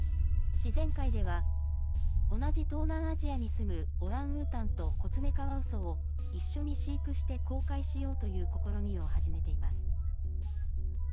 自然界では同じ東南アジアに住むオランウータンとコツメカワウソを一緒に飼育して公開しようという試みを始めています。